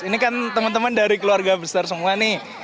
ini kan teman teman dari keluarga besar semua nih